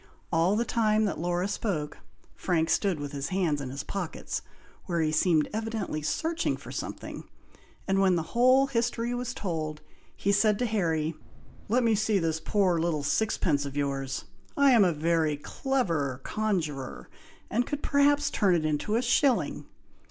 All the time that Laura spoke, Frank stood, with his hands in his pockets, where he seemed evidently searching for something, and when the whole history was told, he said to Harry, "Let me see this poor little sixpence of yours! I am a very clever conjuror, and could perhaps turn it into a shilling!"